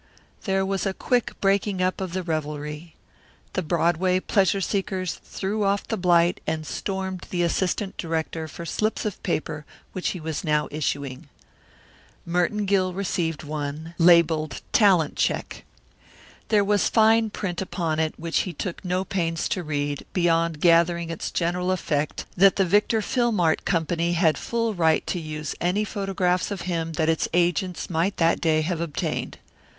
There was a quick breaking up of the revelry. The Broadway pleasure seekers threw off the blight and stormed the assistant director for slips of paper which he was now issuing. Merton Gill received one, labelled "Talent check." There was fine print upon it which he took no pains to read, beyond gathering its general effect that the Victor Film art Company had the full right to use any photographs of him that its agents might that day have obtained.